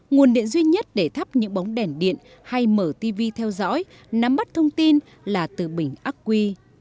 nguồn điện duy nhất để thắp những bóng đèn điện hay mở tv theo dõi nắm bắt thông tin là từ bình ác quy